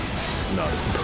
なるほど。